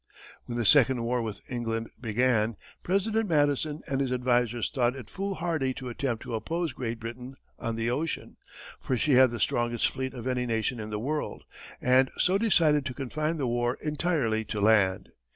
When the second war with England began, President Madison and his advisers thought it foolhardy to attempt to oppose Great Britain on the ocean, for she had the strongest fleet of any nation in the world, and so decided to confine the war entirely to land.